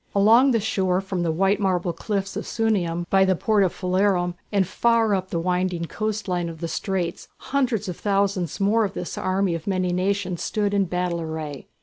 Along the shore from the white marble cliffs of Sunium by the port of Phalerum and far up the winding coast line of the straits, hundreds of thousands more of this army of many nations stood in battle array.